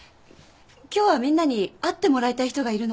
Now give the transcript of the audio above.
今日はみんなに会ってもらいたい人がいるの。